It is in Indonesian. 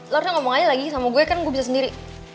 lo udah ngomong aja lagi sama gue kan gue bisa sendiri